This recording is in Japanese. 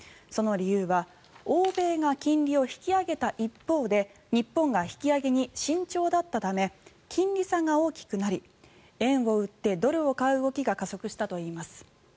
その理由は欧米が金利を引き上げた一方で日本が引き上げに慎重だったため金利差が大きくなり円を売ってドルを買う動きが加速したといいます。